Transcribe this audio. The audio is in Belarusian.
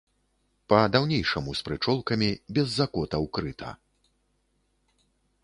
Па-даўнейшаму з прычолкамі, без закотаў крыта.